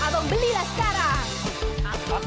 daripada banyak omong